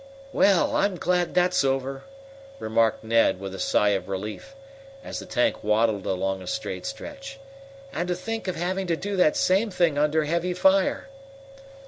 "Well, I'm glad that's over," remarked Ned, with a sigh of relief, as the tank waddled along a straight stretch. "And to think of having to do that same thing under heavy fire!"